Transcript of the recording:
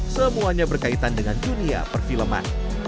semuanya berkaitan dengan dunia perfilman